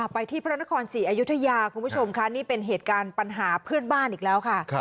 ไปที่พระนครศรีอยุธยาคุณผู้ชมค่ะนี่เป็นเหตุการณ์ปัญหาเพื่อนบ้านอีกแล้วค่ะ